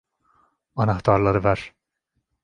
Anahtarları ver.